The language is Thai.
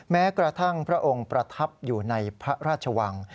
แม้กระทั่งพระองค์ประทับอยู่ในพระราชวัง